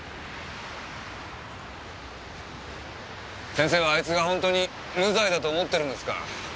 先生はあいつが本当に無罪だと思ってるんですか？